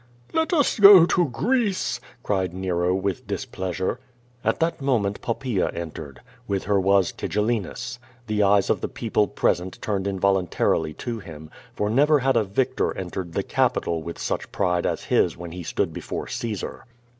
"Let us go to Greece!'' cried Nero, with displeasure. At that moment Poppaea entered. With her was Tigel linus. The eyes of the people present turned involuntarily to him, for never had a victor entered the Capitol with such pride as his when he stood before Caesar.